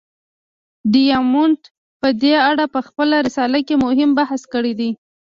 ډایمونډ په دې اړه په خپله رساله کې مهم بحث کړی دی.